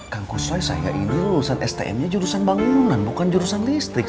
kang kusway saya ini lulusan stm nya jurusan bangunan bukan jurusan listrik